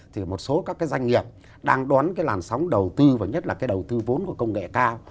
thì một số các cái doanh nghiệp đang đón cái làn sóng đầu tư và nhất là cái đầu tư vốn của công nghệ cao